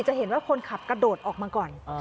จะเห็นว่าคนขับกระโดดออกมาก่อน